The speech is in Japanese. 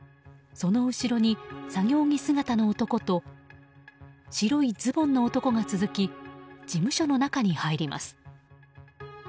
その後ろに作業着姿の男と白いズボンの男が続き事務所の中に入ります。